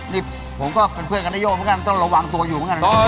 นี่ผมก็เป็นเพื่อนกับน้าโย่มต้องระวังตัวอยู่